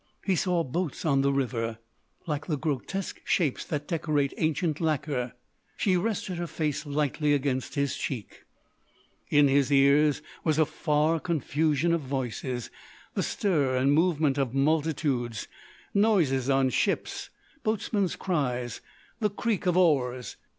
He saw boats on the river—like the grotesque shapes that decorate ancient lacquer. She rested her face lightly against his cheek. In his ears was a far confusion of voices—the stir and movement of multitudes—noises on ships, boatmen's cries, the creak of oars.